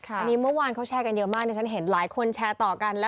อันนี้เมื่อวานเขาแชร์กันเยอะมากดิฉันเห็นหลายคนแชร์ต่อกัน